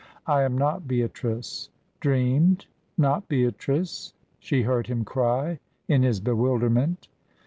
"I am not Beatrice." "Dreamed? Not Beatrice?" she heard him cry in his bewilderment.